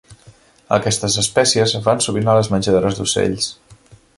Aquestes espècies van sovint a les menjadores d'ocells.